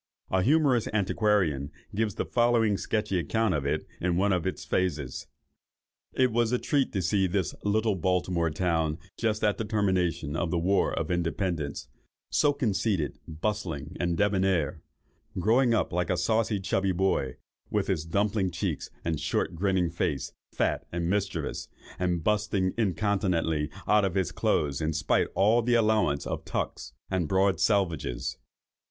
A humorous antiquarian gives the following sketchy account of it in one of its phases. "It was a treat to see this little Baltimore town just at the termination of the war of Independence—so conceited, bustling, and débonair—growing up like a saucy chubby boy, with his dumpling cheeks and short grinning face, fat and mischievous, and bursting, incontinently, out of his clothes in spite of all the allowance of tucks and broad selvages.